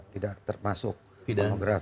tidak termasuk pornografi